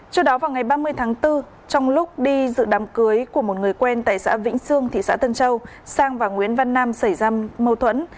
trước đó vào ngày ba mươi tháng bốn trong lúc đi dự đám cưới của một người quen tại xã vĩnh sương thị xã tân châu sang và nguyễn văn nam xảy ra mâu thuẫn